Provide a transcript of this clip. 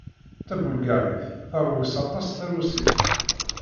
Tabulgaṛit terwes aṭas tarusit.